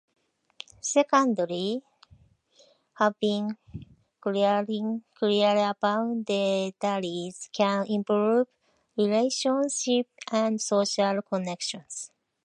Secondly, having clear boundaries can improve relationships and social connections.